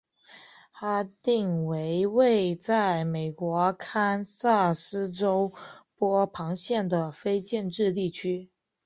哈定为位在美国堪萨斯州波旁县的非建制地区。